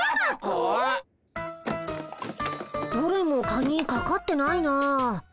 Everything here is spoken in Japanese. どれもカギかかってないな。